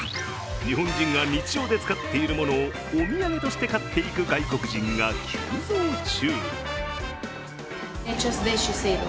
日本人が日常で使っているものをお土産として買っていく外国人が急増中。